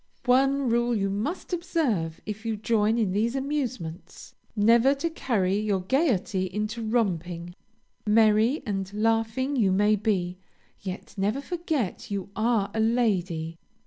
One rule you must observe if you join in these amusements: never to carry your gayety into romping. Merry and laughing you may be, yet never forget you are a lady.